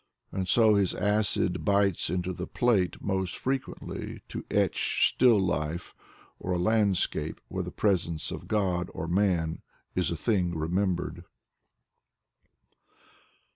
And so his acid bites into the plate most frequently to etch still life, or a landscape where the presence of God or man is a thing remembered.